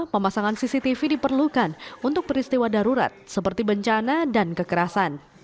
pemasangan cctv diperlukan untuk peristiwa darurat seperti bencana dan kekerasan